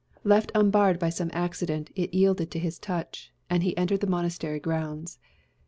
Left unbarred by some accident, it yielded to his touch, and he entered the monastery grounds.